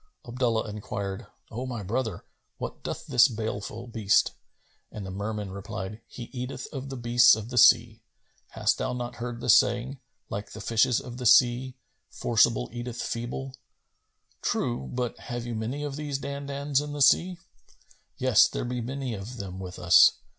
Abdullah enquired, "O my brother, what doth this baleful beast?"; and the Merman replied, "He eateth of the beasts of the sea. Hast thou not heard the saying, 'Like the fishes of the sea: forcible eateth feeble?[FN#262]'" "True; but have you many of these Dandans in the sea?" "Yes, there be many of them with us.